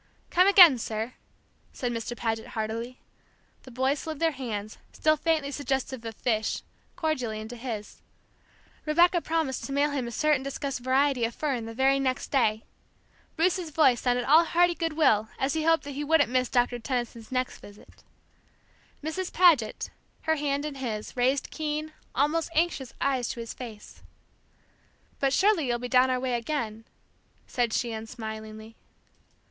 "Come again, sir!" said Mr. Paget, heartily; the boys slid their hands, still faintly suggestive of fish, cordially into his; Rebecca promised to mail him a certain discussed variety of fern the very next day; Bruce's voice sounded all hearty good will as he hoped that he wouldn't miss Doctor Tenison's next visit. Mrs. Paget, her hand in his, raised keen, almost anxious eyes to his face. "But surely you'll be down our way again?" said she, unsmilingly.